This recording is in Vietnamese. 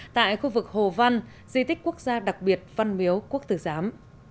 tại khu vực hồ văn di tích quốc gia đặc biệt văn miếu quốc tử giám